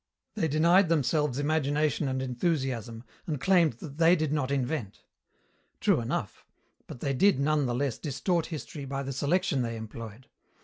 They denied themselves imagination and enthusiasm and claimed that they did not invent. True enough, but they did none the less distort history by the selection they employed.